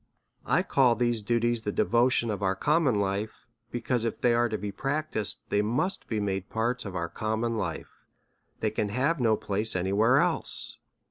I call these duties the devotion of our common life ; because if they are to be practised, they must be made parts of our common life, they can have no place any where else.